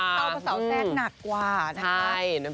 ถ้าสู่เข้าผสาวแทรกนักกว่านะคะ